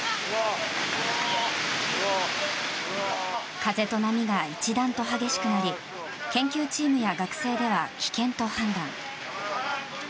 風と波が一段と激しくなり研究チームや学生では危険と判断。